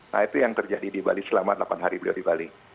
nah itu yang terjadi di bali selama delapan hari beliau di bali